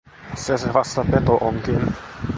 Se se vasta peto onkin.